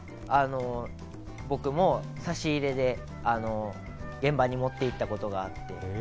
僕も差し入れで現場に持っていったことがあります。